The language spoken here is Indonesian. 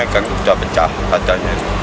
kan sudah pecah kacanya